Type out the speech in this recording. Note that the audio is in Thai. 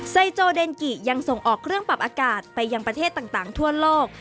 ไซโจเดนกิยังส่งออกเครื่องปรับอากาศไปยังประเทศต่างทั่วโลก